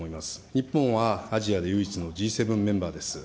日本はアジアで唯一のＧ７メンバーです。